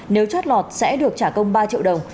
nếu chót lọt sẽ được trả công ba triệu đồng